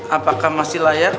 apakah masih layak